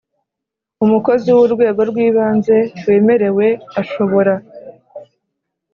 Umukozi w urwego rw ibanze wemerewe ashobora